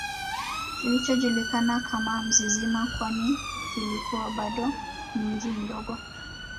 kilichojulikana kama Mzizima kwani kilikuwa bado ni mji mdogo